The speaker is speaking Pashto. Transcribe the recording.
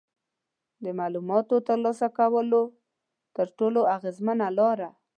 د معلوماتو ترلاسه کولو تر ټولو اغیزمنه لاره